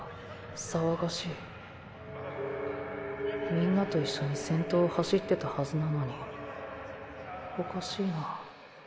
みんなと一緒に先頭を走ってたはずなのにおかしいな。